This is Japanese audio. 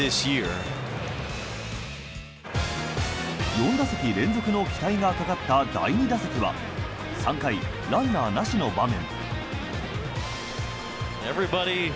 ４打席連続の期待がかかった第２打席は３回、ランナーなしの場面。